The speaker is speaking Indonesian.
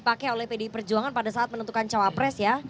dipakai oleh pdi perjuangan pada saat menentukan cawapres ya